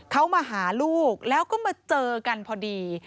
เขามาหาลูกแล้วก็มาเจอกันพอดี